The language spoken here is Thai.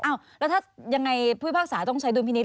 อ้าวแล้วถ้ายังไงผู้พักษาต้องใช้ดูนพินิษฐ์